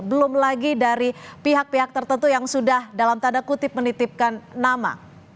belum lagi dari pihak pihak tertentu yang sudah dalam tanda kutip menitipkan nama